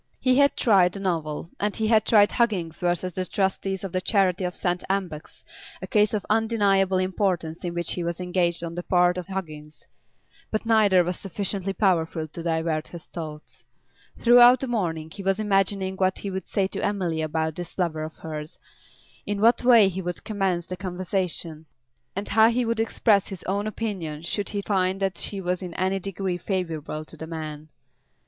He had tried the novel, and he had tried Huggins v. the Trustees of the Charity of St. Ambox, a case of undeniable importance in which he was engaged on the part of Huggins, but neither was sufficiently powerful to divert his thoughts. Throughout the morning he was imagining what he would say to Emily about this lover of hers, in what way he would commence the conversation, and how he would express his own opinion should he find that she was in any degree favourable to the man.